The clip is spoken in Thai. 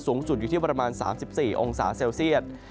สูงสุดอยู่ที่ประมาณ๓๔องศาเซลเซียต